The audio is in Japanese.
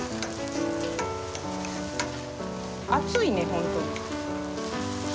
熱いねほんとに。